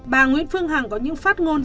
bà nguyễn phương hằng có những phát ngôn